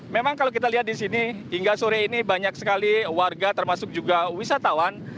memang kalau kita lihat di sini hingga sore ini banyak sekali warga termasuk juga wisatawan